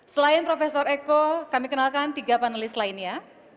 selain prof eko kami kenalkan tiga panelis lainnya